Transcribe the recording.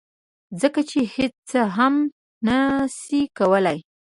ځکه چې هیڅ څه هم نشي کولی